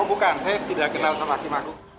oh bukan saya tidak kenal sama hakim agung